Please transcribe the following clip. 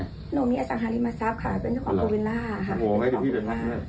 โนโมเมียสังธาริมาทรัพย์ค่ะเป็นเจ้าของโบเวนล่าค่ะ